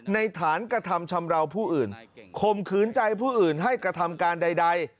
ฐานกระทำชำราวผู้อื่นข่มขืนใจผู้อื่นให้กระทำการใด